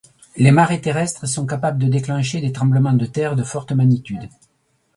Les marées terrestres sont capables de déclencher des tremblements de terre de forte magnitude.